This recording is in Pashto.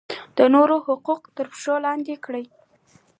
د نورو حقوق تر پښو لاندې کړي.